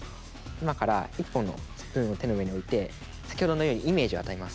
今から１本のスプーンを手の上に置いて先ほどのようにイメージを与えます。